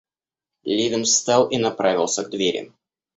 Левин встал и направился к двери.